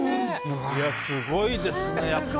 すごいですね。